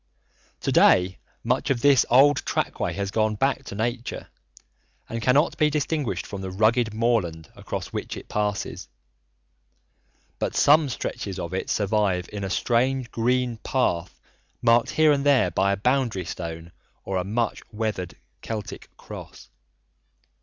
To day, much of this old trackway has gone back to nature and cannot be distinguished from the rugged moorland across which it passes, but some stretches of it survive in a strange green path marked here and there by a boundary stone or a much weathered Celtic cross.